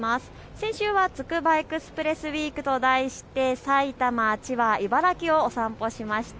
先週はつくばエクスプレスウイークと題して埼玉、千葉、茨城をお散歩しました。